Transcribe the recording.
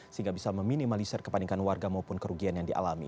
sehingga bisa meminimalisir kepanikan warga maupun kerugian yang dialami